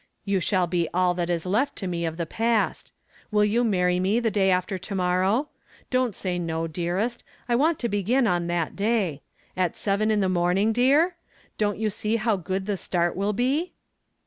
You shall be all that is left to me of the past. Will you marry me the day after to morrow? Don't say no, dearest. I want to begin on that day. At seven in the morning, dear? Don't you see how good the start will be?"